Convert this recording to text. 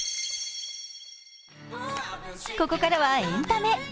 ここからはエンタメ。